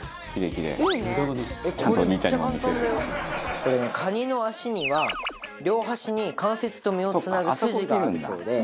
これねカニの脚には両端に関節と身をつなぐ筋があるそうで。